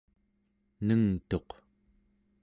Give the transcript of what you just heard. nengtuq